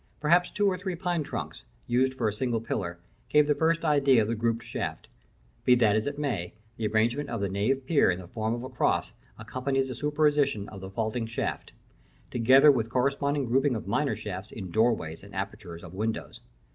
Perhaps two or three pine trunks, used for a single pillar, gave the first idea of the grouped shaft. Be that as it may, the arrangement of the nave pier in the form of a cross accompanies the superimposition of the vaulting shaft; together with corresponding grouping of minor shafts in doorways and apertures of windows.